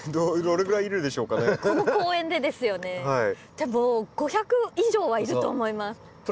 でも５００以上はいると思います。